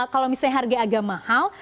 kalau misalnya harga agak mahal